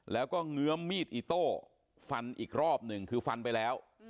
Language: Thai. แล้วก็เงื้อมีดอิโต้ฟันอีกรอบหนึ่งคือฟันไปแล้ว